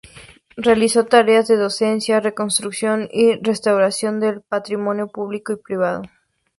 Realizó tareas de docencia, reconstrucción y restauración del patrimonio público y privado.